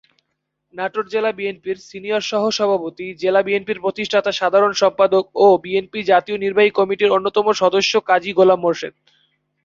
নাটোর জেলা বিএনপির সিনিয়র সহসভাপতি জেলা বিএনপির প্রতিষ্ঠাতা সাধারণ সম্পাদক ও বিএনপি জাতীয় নির্বাহী কমিটির অন্যতম সদস্য কাজী গোলাম মোর্শেদ।